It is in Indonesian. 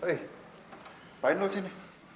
eh apaan lo disini